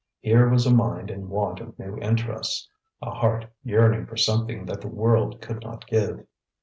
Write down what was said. Here was a mind in want of new interests, a heart yearning for something that the world could not give.